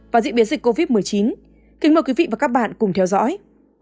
và diễn biến dịch covid một mươi chín kính mời quý vị và các bạn cùng theo dõi